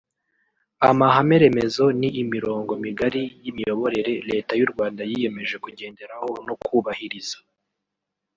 Amahame remezo ni imirongo migari y’imiyoborere Leta y’u Rwanda yiyemeje kugenderaho no kubahiriza